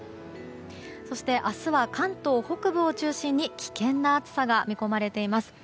そして、明日は関東北部を中心に危険な暑さが見込まれています。